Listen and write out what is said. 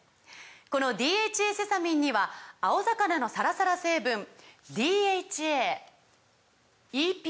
この「ＤＨＡセサミン」には青魚のサラサラ成分ＤＨＡＥＰＡ